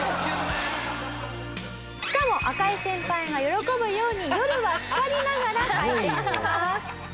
しかも赤井先輩が喜ぶように夜は光りながら回転します。